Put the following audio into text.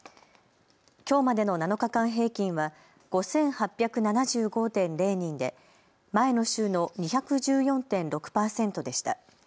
きょうまでの７日間平均は５８７５．０人で前の週の２１４．６％でした。